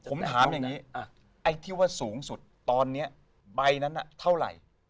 ผมถามอย่างนี้ไอ้ที่ว่าสูงสุดตอนนี้ใบนั้นเท่าไหร่